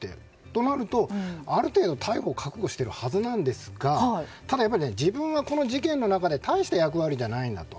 となると、ある程度、逮捕は覚悟しているはずなんですがただ、自分はこの事件の中で大した役割じゃないと。